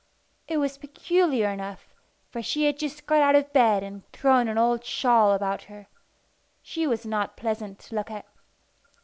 It was peculiar enough, for she had just got out of bed and thrown an old shawl about her. She was not pleasant to look at.